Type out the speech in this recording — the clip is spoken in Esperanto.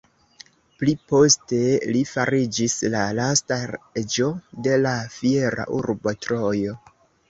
Pli poste li fariĝis la lasta reĝo de la fiera urbo Trojo.